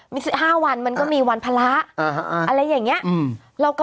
มีสิบห้าวันมันก็มีวันพละอ๋อฮ่าอะไรอย่างเงี้ยอืม